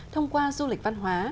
thông qua du lịch văn hóa